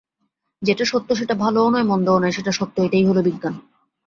যেটা সত্য সেটা ভালোও নয় মন্দও নয়, সেটা সত্য, এইটেই হল বিজ্ঞান।